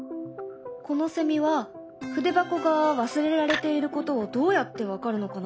このセミは筆箱が忘れられていることをどうやって分かるのかな？